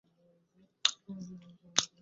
কেহ তাহার বয়স স্পষ্ট করিয়া বলিত না।